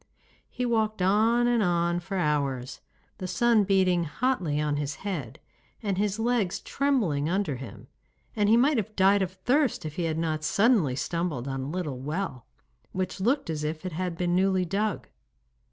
He walked on and on for hours, the sun beating hotly on his head, and his legs trembling under him, and he might have died of thirst if he had not suddenly stumbled on a little well, which looked as if it had been newly dug.